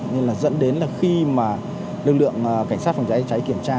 nên là dẫn đến là khi mà lực lượng cảnh sát phòng cháy cháy kiểm tra